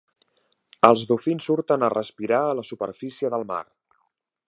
Els dofins surten a respirar a la superfície del mar.